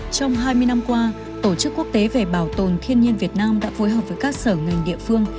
trong hai mươi năm qua tổ chức quốc tế về bảo tồn thiên nhiên việt nam đã phối hợp với các sở ngành địa phương